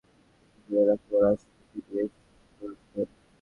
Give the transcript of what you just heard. কিন্তু জেনে রাখো রাসপুটিন বেশ অপ্রতিরোধ্য!